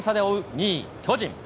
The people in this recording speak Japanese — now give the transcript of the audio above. ２位巨人。